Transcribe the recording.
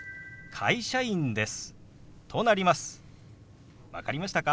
会社員です。